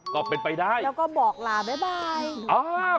ก็เป็นไปได้แล้วก็บอกลาบ๊ายบาย